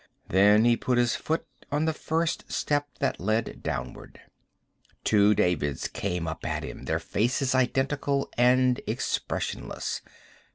Then he put his foot on the first step that led downward. Two Davids came up at him, their faces identical and expressionless.